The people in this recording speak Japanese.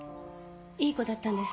いい子だったんです。